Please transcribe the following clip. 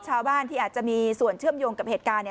ชาวบ้านที่อาจจะมีส่วนเชื่อมโยงกับเหตุการณ์